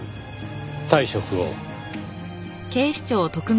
退職を？